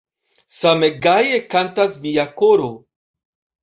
Same gaje kantas mia koro!